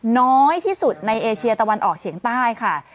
น้อยที่สุดในเอเชียตะวันออกเฉียงใต้ค่ะ